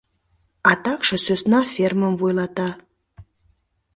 А такше сӧсна фермым вуйлата.